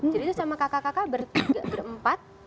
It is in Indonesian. jadi itu sama kakak kakak